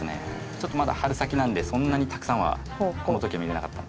「ちょっとまだ春先なんでそんなにたくさんはこの時は見れなかったんですけど」